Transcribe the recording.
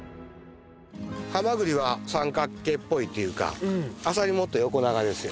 ハマグリは三角形っぽいっていうかアサリもっと横長ですよね。